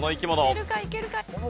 いけるかいけるか？